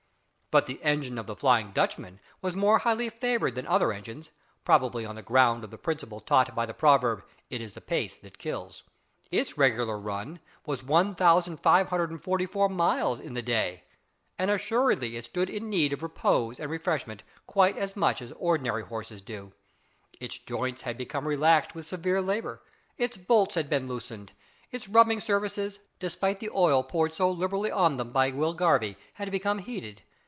But the engine of the "Flying Dutchman" was more highly favoured than other engines probably on the ground of the principle taught by the proverb, "It is the pace that kills." Its regular run was 1,544 miles in the day, and assuredly it stood in need of repose and refreshment quite as much as ordinary horses do. Its joints had become relaxed with severe labour, its bolts had been loosened, its rubbing surfaces, despite the oil poured so liberally on them by Will Garvie, had become heated.